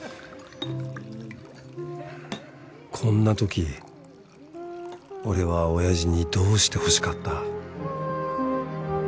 こんなとき俺は親父にどうしてほしかった？